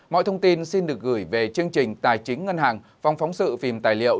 mọi thông tin xin được gửi về chương trình tài chính ngân hàng phòng phóng sự phim tài liệu